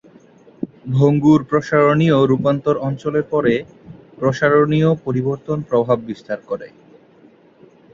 ভঙ্গুর-প্রসারণীয় রূপান্তর অঞ্চলের পরে, প্রসারণীয় পরিবর্তন প্রভাব বিস্তার করে।